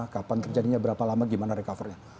kapan terjadinya berapa lama bagaimana recover nya